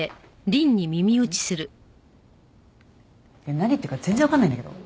何言ってるか全然わかんないんだけど。